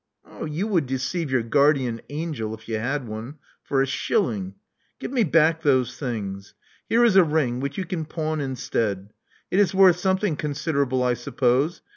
You would deceive your guardian angel — if you had one — for a shilling. Give me back those things. Here is a ring which you can pawn instead. It is worth something considerable, I suppose.